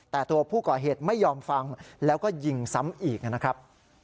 แต่ตัวผู้ก่อเหตุไม่ยอมฟังแล้วก็ยิงซ้ำอีกนะครับ